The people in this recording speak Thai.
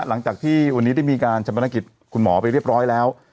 หลังจากที่วันนี้ได้มีการชะพนักกิจคุณหมอไปเรียบร้อยแล้ว